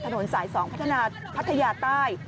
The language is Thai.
ถนนสาย๒พัฒนาพัทยาใต้